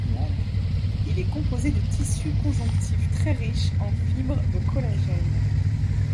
Il est composé de tissu conjonctif très riche en fibres de collagène.